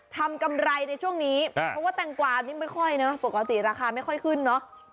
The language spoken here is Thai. กำไรในช่วงนี้เพราะว่าแตงกวานี่ไม่ค่อยนะปกติราคาไม่ค่อยขึ้นเนอะ